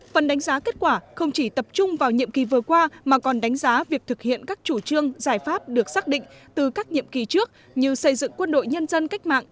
phần đánh giá kết quả không chỉ tập trung vào nhiệm kỳ vừa qua mà còn đánh giá việc thực hiện các chủ trương giải pháp được xác định từ các nhiệm kỳ trước như xây dựng quân đội nhân dân cách mạng